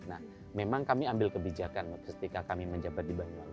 nah memang kami ambil kebijakan ketika kami menjabat di banyuwangi